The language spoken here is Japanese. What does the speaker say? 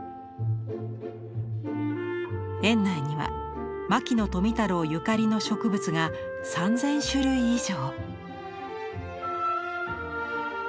園内には牧野富太郎ゆかりの植物が３，０００種類以上。